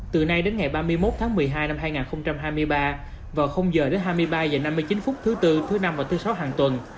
từ nay đến ngày ba mươi một tháng một mươi hai năm hai nghìn hai mươi ba vào h đến hai mươi ba h năm mươi chín phút thứ bốn thứ năm và thứ sáu hàng tuần